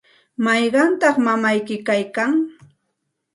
¿mayqantaq mamayki kaykan?